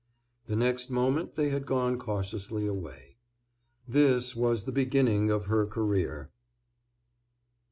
The next moment they had gone cautiously away. This was the beginning of her career.